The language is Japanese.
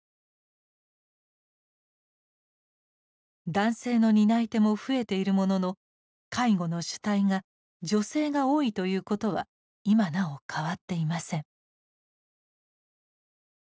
男性の担い手も増えているものの介護の主体が女性が多いということは今なお変わっていません。